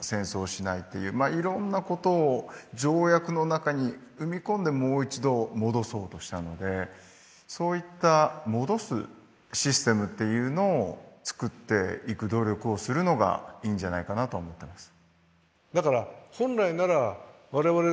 戦争しないっていういろんなことを条約の中に組み込んでもう一度戻そうとしたのでそういった戻すシステムっていうのを作っていく努力をするのがいいんじゃないかなと思ってます。